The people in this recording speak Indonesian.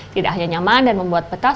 tidak hanya nyaman dan membuat betas